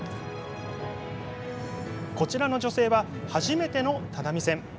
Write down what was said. こちらの女性は初めての只見線。